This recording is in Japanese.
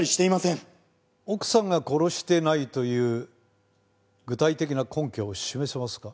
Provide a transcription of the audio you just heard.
奥さんが殺してないという具体的な根拠を示せますか？